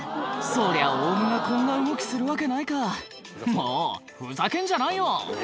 そりゃオウムがこんな動きするわけないかもうふざけんじゃないよ